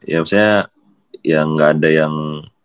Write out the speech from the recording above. ya maksudnya ya nggak ada yang